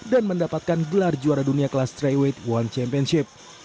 dan mendapatkan gelar juara dunia kelas tiga weight one championship